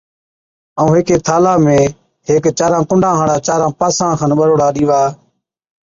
ائُون ھيڪ ٿالھا ۾ ھيڪ چاران ڪُنڊان ھاڙا چاران پاسان کن ٻَڙوڙا ڏِيوا،